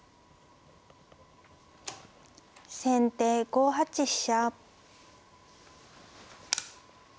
先手５八飛車。